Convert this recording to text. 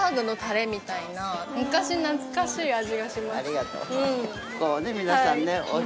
ありがとう。